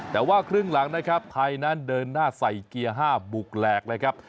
แต่ว่าครึ่งหลังนะครับไทยนั้นเดินหน้าใส่เกียร์๕บุกแหลกเลยครับ